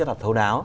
rất là thấu đáo